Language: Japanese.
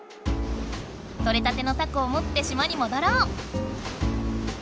とれたてのタコをもって島に戻ろう！